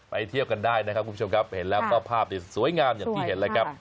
เที่ยวกันได้นะครับคุณผู้ชมครับเห็นแล้วก็ภาพนี้สวยงามอย่างที่เห็นแล้วครับ